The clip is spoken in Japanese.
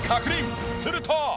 すると。